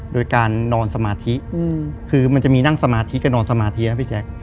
โดยการนอนสมาธิคือมันจะมีนั่งสมาธิกับนอนสมาธินะพี่แจ๊ค